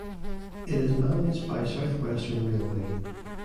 It is managed by South Western Railway.